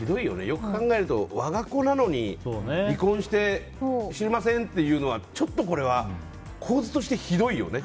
よく考えると我が子なのに離婚して知りませんっていうのはちょっとこれは構図としてひどいよね。